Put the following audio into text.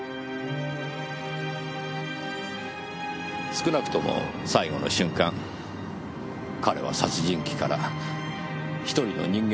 少なくとも最後の瞬間彼は殺人鬼から１人の人間に戻った。